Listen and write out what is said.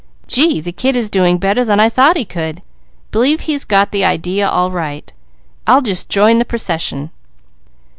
Gee, the kid is doing better than I thought he could! B'lieve he's got the idea all right. I'll just join the procession."